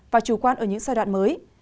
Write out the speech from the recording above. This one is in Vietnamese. và chủ quan ở những giai đoạn mới